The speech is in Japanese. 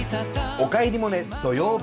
「おかえりモネ」土曜日。